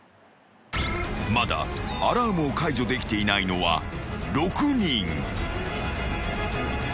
［まだアラームを解除できていないのは６人］